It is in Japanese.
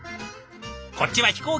こっちは飛行機。